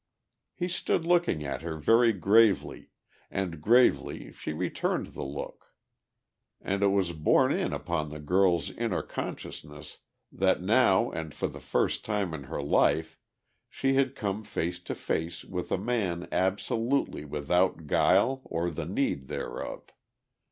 He stood looking at her very gravely and gravely she returned the look. And it was borne in upon the girl's inner consciousness that now and for the first time in her life she had come face to face with a man absolutely without guile or the need thereof.